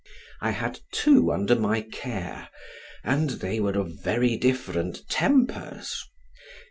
I had two under my care, and they were of very different tempers.